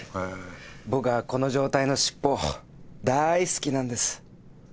僕はこの状態の尻尾大好きなんです。